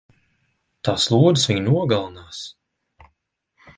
Tās lodes viņu nogalinās!